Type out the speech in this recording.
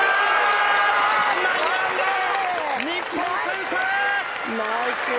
日本、先制！